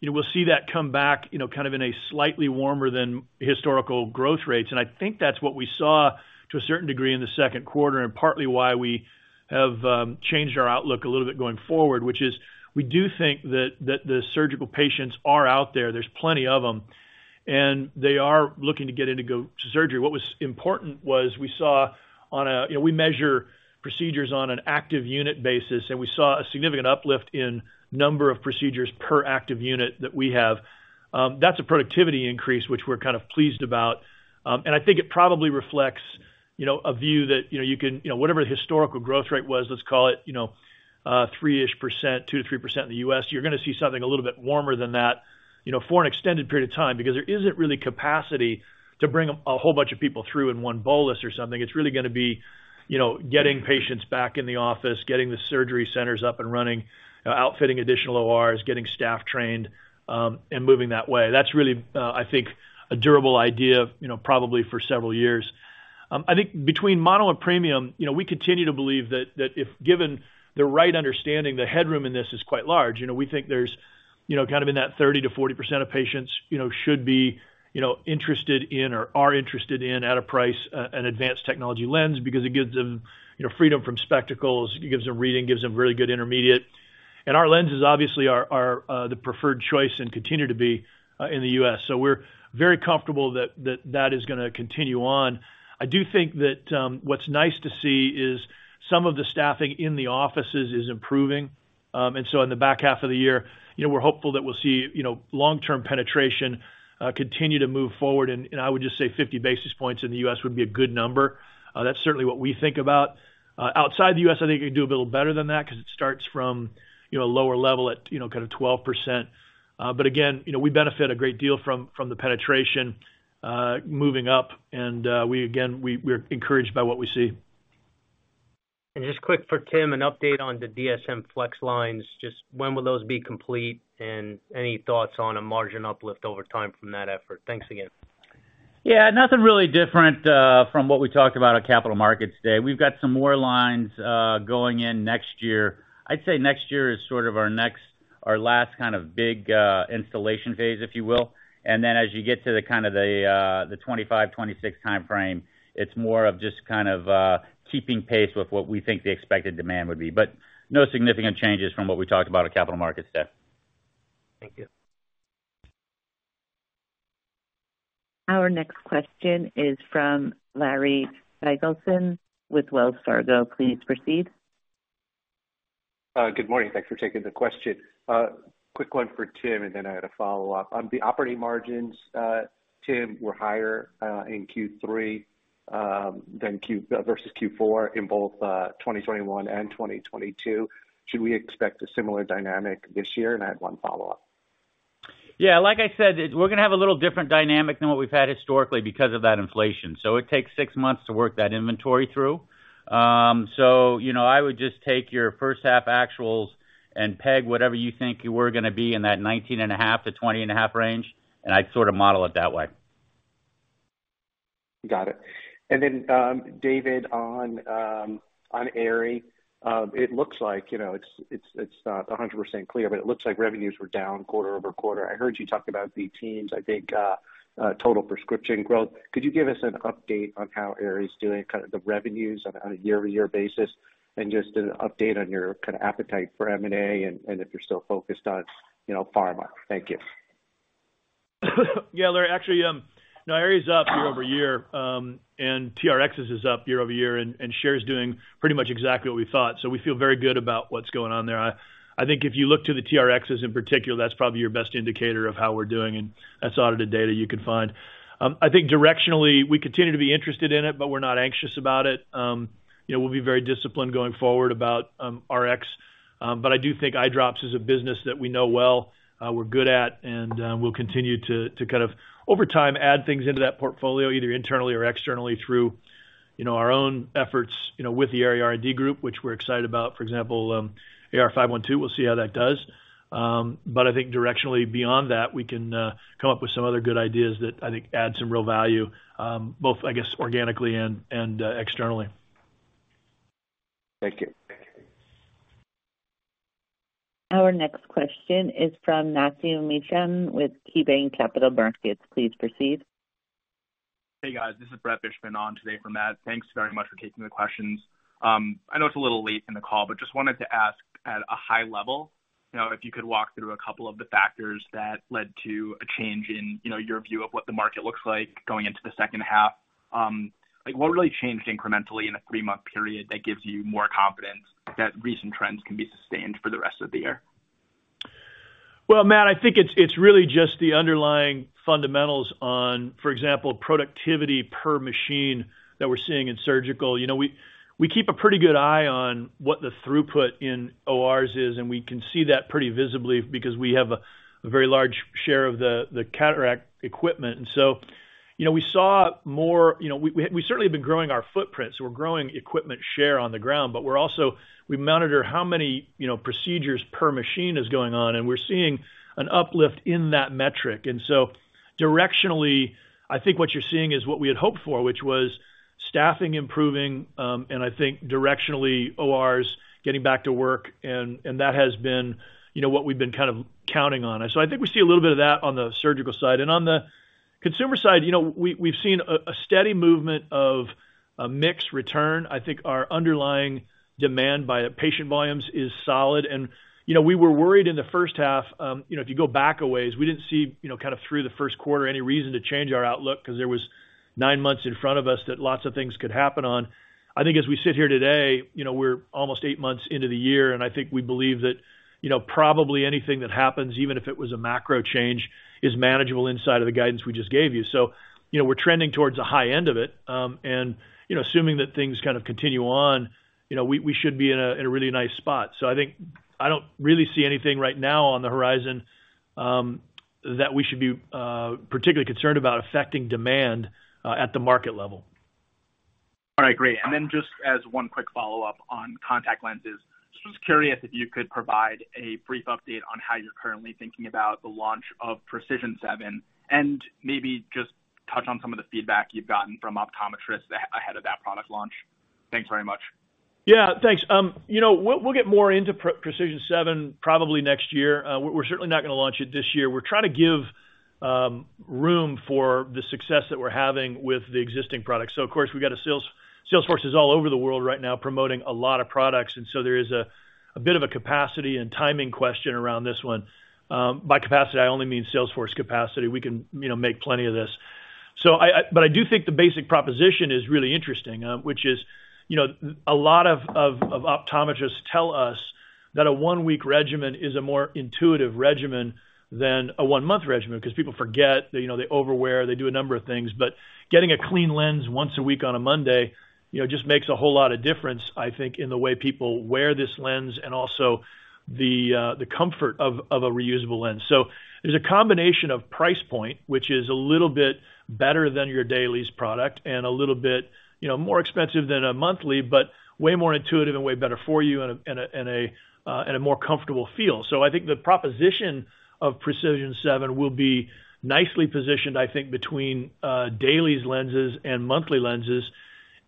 you know, we'll see that come back, you know, kind of in a slightly warmer than historical growth rates. I think that's what we saw to a certain degree in the second quarter, and partly why we have changed our outlook a little bit going forward, which is we do think that, that the surgical patients are out there. There's plenty of them, and they are looking to get in to go to surgery. What was important was we saw. You know, we measure procedures on an active unit basis, and we saw a significant uplift in number of procedures per active unit that we have. That's a productivity increase, which we're kind of pleased about. I think it probably reflects, you know, a view that, you know, whatever the historical growth rate was, let's call it, you know, 3-ish%, 2%-3% in the U.S., you're going to see something a little bit warmer than that, you know, for an extended period of time. There isn't really capacity to bring a whole bunch of people through in one bolus or something. It's really going to be, you know, getting patients back in the office, getting the surgery centers up and running, outfitting additional ORs, getting staff trained, and moving that way. That's really, I think, a durable idea, you know, probably for several years. I think between mono and premium, you know, we continue to believe that, that if given the right understanding, the headroom in this is quite large. You know, we think there's, you know, kind of in that 30%-40% of patients, you know, should be, you know, interested in or are interested in, at a price, an advanced technology lens because it gives them, you know, freedom from spectacles, it gives them reading, gives them really good intermediate. Our lenses obviously are, are the preferred choice and continue to be in the U.S.. We're very comfortable that, that, that is going to continue on. I do think that what's nice to see is some of the staffing in the offices is improving. In the back half of the year, you know, we're hopeful that we'll see, you know, long-term penetration continue to move forward. I would just say 50 basis points in the U.S. would be a good number. That's certainly what we think about. Outside the U.S., I think it could do a little better than that because it starts from, you know, a lower level at, you know, kind of 12%. But again, you know, we benefit a great deal from, from the penetration moving up, and we again, we're encouraged by what we see. Just quick for Tim, an update on the DSM Flex Lines. Just when will those be complete? Any thoughts on a margin uplift over time from that effort? Thanks again. Yeah, nothing really different, from what we talked about at Capital Markets Day. We've got some more lines, going in next year. I'd say next year is sort of our last kind of big, installation phase, if you will. Then as you get to the kind of the, the 2025, 2026 timeframe, it's more of just kind of, keeping pace with what we think the expected demand would be. No significant changes from what we talked about at Capital Markets Day. Thank you. Our next question is from Larry Biegelsen with Wells Fargo. Please proceed. Good morning. Thanks for taking the question. Quick one for Tim, and then I had a follow-up. On the operating margins, Tim, were higher in Q3 than versus Q4 in both 2021 and 2022. Should we expect a similar dynamic this year? I have one follow-up. Yeah, like I said, we're going to have a little different dynamic than what we've had historically because of that inflation. It takes six months to work that inventory through. You know, I would just take your first half actuals and peg whatever you think you were going to be in that 19.5-20.5 range, and I'd sort of model it that way. Got it. David, on Aerie, it looks like, you know, it's, it's, it's not 100% clear, but it looks like revenues were down quarter-over-quarter. I heard you talk about the teens, I think, total prescription growth. Could you give us an update on how Aerie's doing, kind of the revenues on a year-over-year basis, and just an update on your kind of appetite for M&A, if you're still focused on, you know, pharma? Thank you. Yeah, Larry, actually, no, Aerie's up year-over-year, and TRx is up year-over-year, and share is doing pretty much exactly what we thought. We feel very good about what's going on there. I think if you look to the TRx in particular, that's probably your best indicator of how we're doing, and that's audited data you can find. I think directionally, we continue to be interested in it, but we're not anxious about it. You know, we'll be very disciplined going forward about Rx, but I do think eye drops is a business that we know well, we're good at, and we'll continue to, to kind of, over time, add things into that portfolio, either internally or externally, through, you know, our own efforts, you know, with the Aerie R&D group, which we're excited about. For example, AR-15512, we'll see how that does. I think directionally beyond that, we can come up with some other good ideas that I think add some real value, both, I guess, organically and, and externally. Thank you. Our next question is from Matthew Mishan with KeyBanc Capital Markets. Please proceed. Hey, guys. This is Brett Fishbin on today for Matt. Thanks very much for taking the questions. I know it's a little late in the call, but just wanted to ask, at a high level, you know, if you could walk through a couple of the factors that led to a change in, you know, your view of what the market looks like going into the second half. Like, what really changed incrementally in a three-month period that gives you more confidence that recent trends can be sustained for the rest of the year? Well, Matt, I think it's, it's really just the underlying fundamentals on, for example, productivity per machine that we're seeing in surgical. You know, we, we keep a pretty good eye on what the throughput in ORs is, and we can see that pretty visibly because we have a, a very large share of the, the cataract equipment. So, you know, we, we certainly have been growing our footprint, so we're growing equipment share on the ground, but we monitor how many, you know, procedures per machine is going on, and we're seeing an uplift in that metric. So directionally, I think what you're seeing is what we had hoped for, which was staffing improving, and I think directionally, ORs getting back to work, and, and that has been, you know, what we've been kind of counting on. So I think we see a little bit of that on the surgical side. On the consumer side, you know, we, we've seen a, a steady movement of a mix return. I think our underlying demand by patient volumes is solid. You know, we were worried in the first half, you know, if you go back a ways, we didn't see, you know, kind of through the first quarter, any reason to change our outlook because there was nine months in front of us that lots of things could happen on. I think as we sit here today, you know, we're almost eight months into the year, and I think we believe that, you know, probably anything that happens, even if it was a macro change, is manageable inside of the guidance we just gave you. you know, we're trending towards the high end of it. you know, assuming that things kind of continue on, you know, we, we should be in a really nice spot. I think I don't really see anything right now on the horizon that we should be particularly concerned about affecting demand at the market level. All right, great. Then just as one quick follow-up on contact lenses, just curious if you could provide a brief update on how you're currently thinking about the launch of PRECISION7, and maybe just touch on some of the feedback you've gotten from optometrists ahead of that product launch. Thanks very much. Yeah, thanks. You know, we'll, we'll get more into PRECISION7, probably next year. We're, we're certainly not going to launch it this year. We're trying to give room for the success that we're having with the existing products. Of course, we've got sales forces all over the world right now promoting a lot of products, and there is a bit of a capacity and timing question around this one. By capacity, I only mean sales force capacity. We can, you know, make plenty of this. I do think the basic proposition is really interesting, which is, you know, a lot of optometrists tell us that a one-week regimen is a more intuitive regimen than a one-month regimen, because people forget, you know, they overwear, they do a number of things. Getting a clean lens once a week on a Monday, you know, just makes a whole lot of difference, I think, in the way people wear this lens and also the comfort of a reusable lens. There's a combination of price point, which is a little bit better than your DAILIES product and a little bit, you know, more expensive than a monthly, but way more intuitive and way better for you and a, and a, and a more comfortable feel. I think the proposition of PRECISION7 will be nicely positioned, I think, between DAILIES lenses and monthly lenses.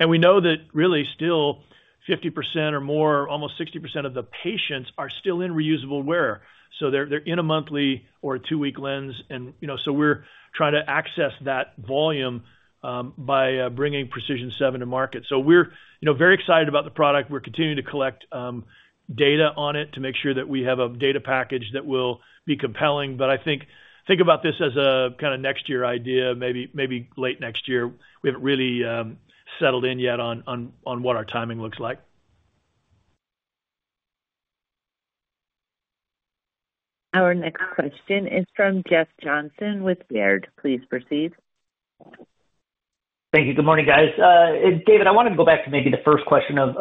We know that really still 50% or more, almost 60% of the patients are still in reusable wear. They're, they're in a monthly or a two-week lens and, you know, we're trying to access that volume by bringing PRECISION7 to market. We're, you know, very excited about the product. We're continuing to collect data on it to make sure that we have a data package that will be compelling. I think, think about this as a kind of next year idea, maybe, maybe late next year. We haven't really settled in yet on, on, on what our timing looks like. Our next question is from Jeff Johnson with Baird. Please proceed. Thank you. Good morning, guys. David, I wanted to go back to maybe the first question of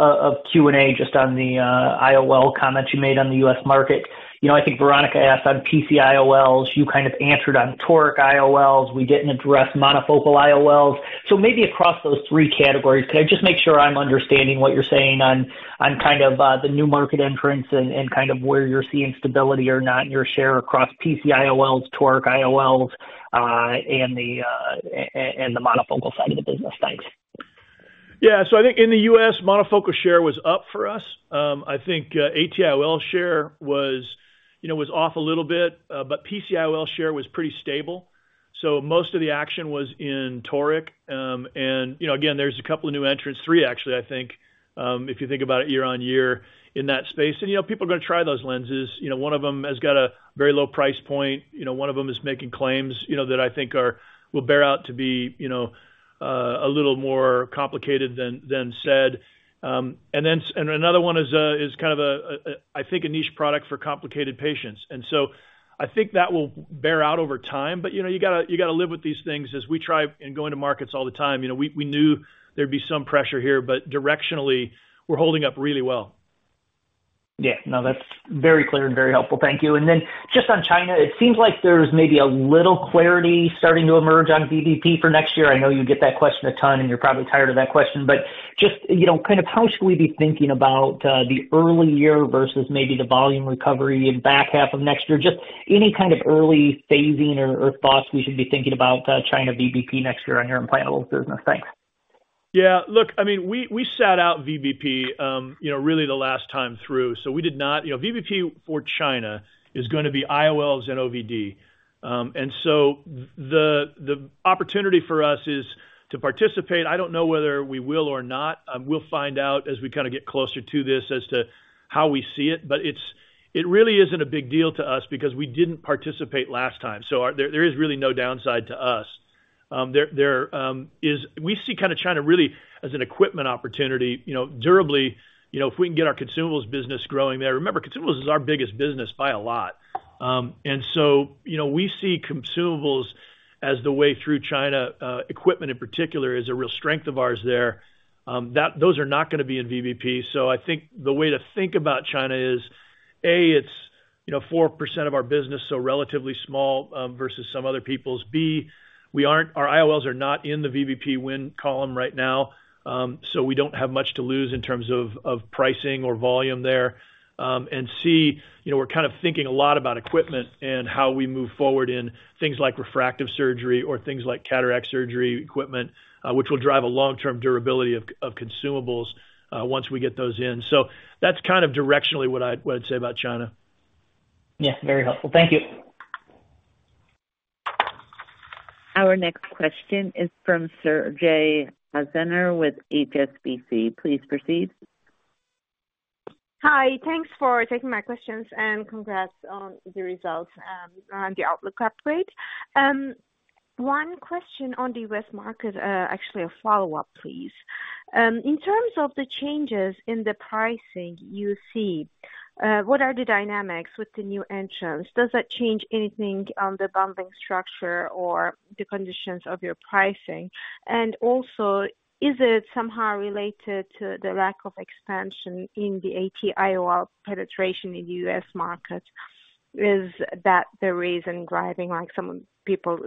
Q&A, just on the IOL comments you made on the U.S. market. You know, I think Veronika asked on PC-IOLs, you kind of answered on toric IOLs. We didn't address monofocal IOLs. Maybe across those three categories, can I just make sure I'm understanding what you're saying on, on kind of the new market entrants and, and kind of where you're seeing stability or not in your share across PC-IOLs, toric IOLs, and the monofocal side of the business? Thanks. Yeah. I think in the U.S., monofocal share was up for us. I think ATIOL share was, you know, was off a little bit, but PC-IOL share was pretty stable. Most of the action was in toric. You know, again, there's a couple of new entrants, three, actually, I think, if you think about it year on year in that space. You know, people are going to try those lenses. You know, one of them has got a very low price point. You know, one of them is making claims, you know, that I think are- will bear out to be, you know, a little more complicated than, than said. Another one is kind of, I think, a niche product for complicated patients. So I think that will bear out over time, but, you know, you gotta, you gotta live with these things as we try and go into markets all the time. You know, we, we knew there'd be some pressure here, but directionally, we're holding up really well. Yeah. No, that's very clear and very helpful. Thank you. Then just on China, it seems like there's maybe a little clarity starting to emerge on VBP for next year. I know you get that question a ton, and you're probably tired of that question, but just, you know, kind of how should we be thinking about the early year versus maybe the volume recovery in back half of next year? Just any kind of early phasing or, or thoughts we should be thinking about China VBP next year on your implantable business? Thanks. Yeah, look, I mean, we, we sat out VBP, you know, really the last time through, so we did not. You know, VBP for China is going to be IOLs and OVD. The opportunity for us is to participate. I don't know whether we will or not. We'll find out as we kind of get closer to this as to how we see it, but it really isn't a big deal to us because we didn't participate last time, so there is really no downside to us. There is, we see kind of China really as an equipment opportunity, you know, durably, you know, if we can get our consumables business growing there. Remember, consumables is our biggest business by a lot. So, you know, we see consumables as the way through China, equipment in particular, is a real strength of ours there. Those are not going to be in VBP. So I think the way to think about China is, A, it's, you know, 4% of our business, so relatively small, versus some other people's. B, we our IOLs are not in the VBP win column right now, so we don't have much to lose in terms of, of pricing or volume there. And C, you know, we're kind of thinking a lot about equipment and how we move forward in things like refractive surgery or things like cataract surgery equipment, which will drive a long-term durability of, of consumables, once we get those in. So that's kind of directionally what I'd, what I'd say about China. Yeah, very helpful. Thank you. Our next question is from Sezgi Ozener with HSBC. Please proceed. Hi. Thanks for taking my questions, and congrats on the results, on the outlook upgrade. One question on the U.S. market, actually a follow-up, please. In terms of the changes in the pricing you see, what are the dynamics with the new entrants? Does that change anything on the bundling structure or the conditions of your pricing? Also, is it somehow related to the lack of expansion in the ATIOL penetration in the U.S. market? Is that the reason driving, like, some people,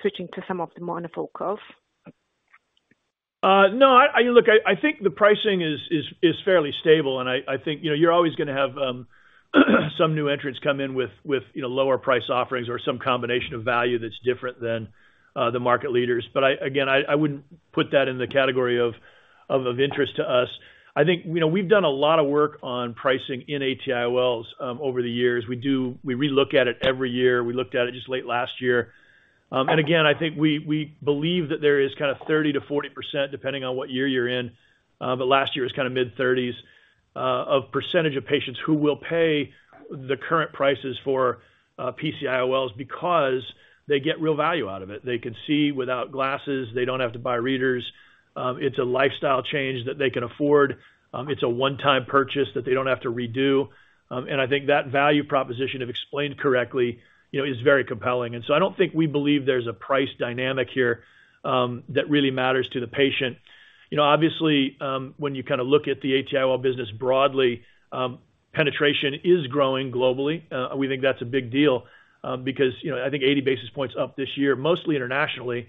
switching to some of the monofocals? No, I, I, look, I, I think the pricing is, is, is fairly stable. I, I think, you know, you're always gonna have, some new entrants come in with, with, you know, lower price offerings or some combination of value that's different than, the market leaders. I, again, I, I wouldn't put that in the category of, of, of interest to us. I think, you know, we've done a lot of work on pricing in ATIOLs, over the years. We relook at it every year. We looked at it just late last year. Again, I think we, we believe that there is kind of 30%-40%, depending on what year you're in, but last year was kind of mid-30s of percentage of patients who will pay the current prices for PC-IOLs because they get real value out of it. They can see without glasses. They don't have to buy readers. It's a one-time purchase that they don't have to redo. I think that value proposition, if explained correctly, you know, is very compelling. So I don't think we believe there's a price dynamic here that really matters to the patient. You know, obviously, when you kind of look at the ATIOL business broadly, penetration is growing globally. We think that's a big deal, because, you know, I think 80 basis points up this year, mostly internationally,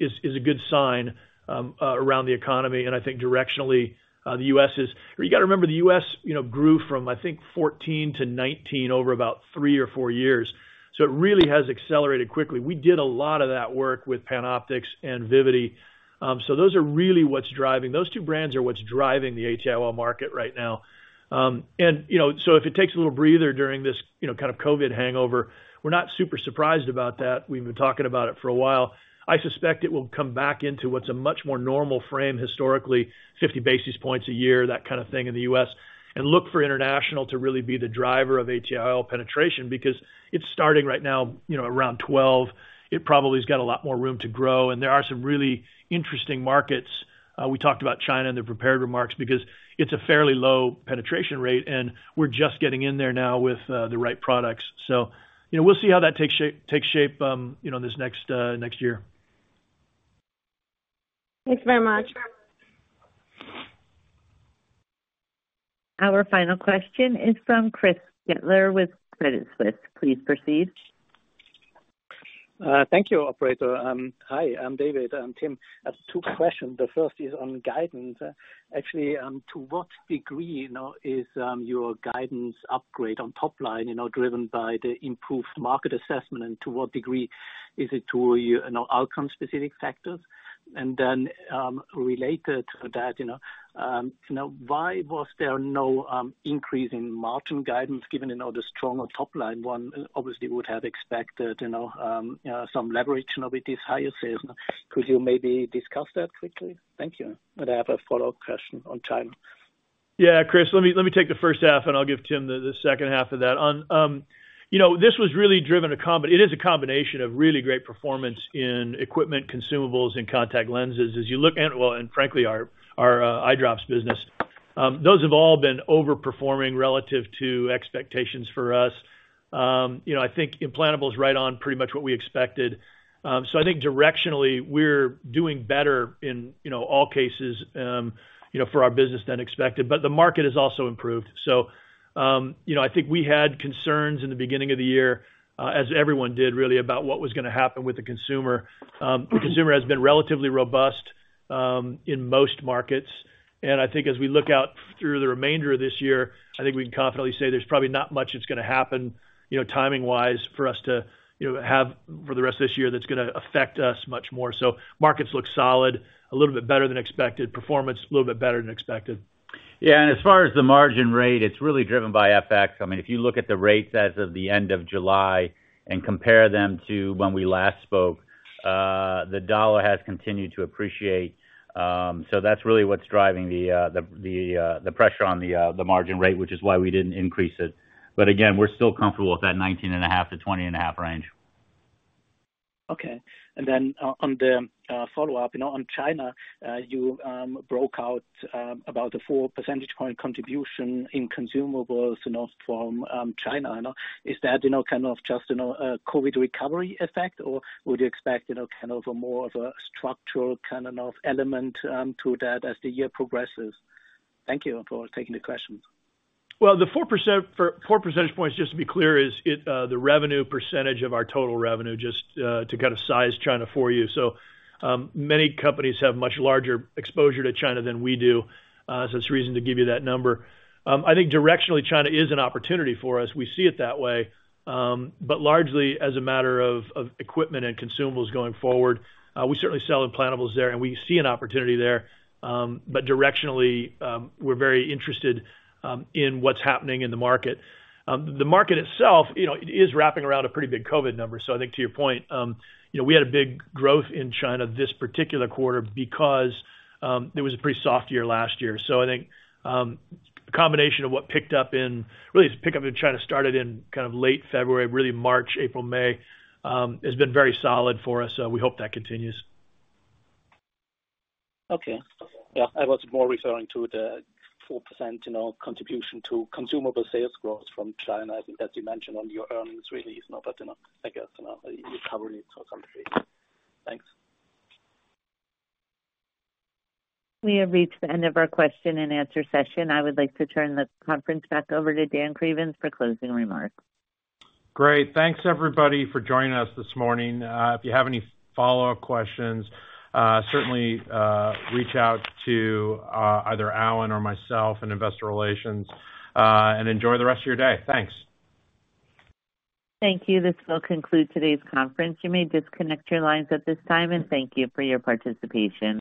is, is a good sign around the economy. I think directionally, the U.S. is. You gotta remember, the U.S., you know, grew from, I think, 14 to 19 over about three or four years, so it really has accelerated quickly. We did a lot of that work with PanOptix and Vivity. Those are really what's driving. Those two brands are what's driving the ATIOL market right now. You know, so if it takes a little breather during this, you know, kind of COVID hangover, we're not super surprised about that. We've been talking about it for a while. I suspect it will come back into what's a much more normal frame historically, 50 basis points a year, that kind of thing, in the U.S., and look for international to really be the driver of ATIOL penetration because it's starting right now, you know, around 12. It probably has got a lot more room to grow, and there are some really interesting markets. We talked about China in the prepared remarks because it's a fairly low penetration rate, and we're just getting in there now with the right products. You know, we'll see how that takes shape, you know, this next next year. Thanks very much. Our final question is from Chris Gretler with Credit Suisse. Please proceed. Thank you, operator. Hi, David. Tim, I have two questions. The first is on guidance. Actually, to what degree, you know, is your guidance upgrade on top line, you know, driven by the improved market assessment? To what degree is it to, you know, outcome-specific factors? Then, related to that, you know, you know, why was there no increase in margin guidance, given, you know, the stronger top line? One obviously would have expected, you know, some leverage with these higher sales. Could you maybe discuss that quickly? Thank you. I have a follow-up question on China. Yeah, Chris, let me, let me take the first half, and I'll give Tim the, the second half of that. You know, this was really driven it is a combination of really great performance in equipment, consumables, and contact lenses. Well, frankly, our, our eye drops business. Those have all been overperforming relative to expectations for us. You know, I think implantable is right on pretty much what we expected. I think directionally, we're doing better in, you know, all cases, you know, for our business than expected. The market has also improved. You know, I think we had concerns in the beginning of the year, as everyone did, really, about what was gonna happen with the consumer. The consumer has been relatively robust, in most markets. I think as we look out through the remainder of this year, I think we can confidently say there's probably not much that's gonna happen, you know, timing-wise for us to, you know, have for the rest of this year that's gonna affect us much more. Markets look solid, a little bit better than expected. Performance, a little bit better than expected. Yeah, as far as the margin rate, it's really driven by FX. I mean, if you look at the rates as of the end of July and compare them to when we last spoke, the dollar has continued to appreciate. That's really what's driving the pressure on the margin rate, which is why we didn't increase it. Again, we're still comfortable with that 19.5%-20.5% range. Okay. Then, on the follow-up, you know, on China, you broke out about a four percentage point contribution in consumables, you know, from China. I know, is that, you know, kind of just, you know, a COVID recovery effect, or would you expect, you know, kind of a more of a structural kind of element to that as the year progresses? Thank you for taking the questions. Well, the 4%, four percentage points, just to be clear, is it, the revenue percentage of our total revenue, just, to kind of size China for you. Many companies have much larger exposure to China than we do. It's the reason to give you that number. I think directionally, China is an opportunity for us. We see it that way, largely as a matter of, of equipment and consumables going forward. We certainly sell implantables there, and we see an opportunity there. Directionally, we're very interested, in what's happening in the market. The market itself, you know, it is wrapping around a pretty big COVID number. I think to your point, you know, we had a big growth in China this particular quarter because it was a pretty soft year last year. I think a combination of what picked up, really, the pick-up in China started in kind of late February, really March, April, May, has been very solid for us, so we hope that continues. Okay. Yeah, I was more referring to the 4%, you know, contribution to consumable sales growth from China, I think, as you mentioned on your earnings release, you know, but, you know, I guess, you know, recovery for some reason. Thanks. We have reached the end of our question-and-answer session. I would like to turn the conference back over to Dan Cravens for closing remarks. Great. Thanks, everybody, for joining us this morning. If you have any follow-up questions, certainly, reach out to either Alan or myself in Investor Relations, and enjoy the rest of your day. Thanks. Thank you. This will conclude today's conference. You may disconnect your lines at this time, and thank you for your participation.